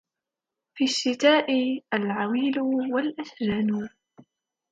في الشتاء العويل والأشجان